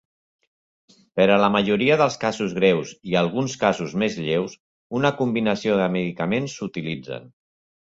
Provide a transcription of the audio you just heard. Per a la majoria dels casos greus i alguns casos més lleus, una combinació de medicaments s'utilitzen.